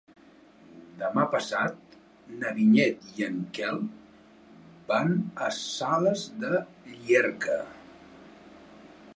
Demà passat na Vinyet i en Quel van a Sales de Llierca.